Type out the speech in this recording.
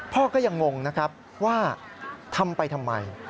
พ่อก็ยังงงนะครับว่าทำไปทำไม